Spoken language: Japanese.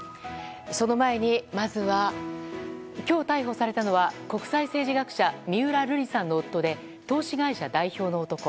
その前に、まずは今日逮捕されたのは国際政治学者三浦瑠麗さんの夫で投資会社代表の男。